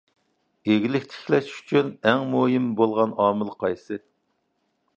ئىگىلىك تىكلەش ئۈچۈن ئەڭ مۇھىم بولغان ئامىل قايسى؟